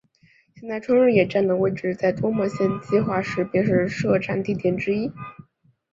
现在春日野站的位置在多摩线计画时便是设站地点之一。